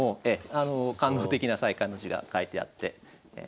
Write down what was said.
感動的な「再刊」の字が書いてあって。